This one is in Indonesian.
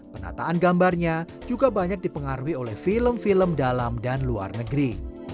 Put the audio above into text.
penataan gambarnya juga banyak dipengaruhi oleh film film dalam dan luar negeri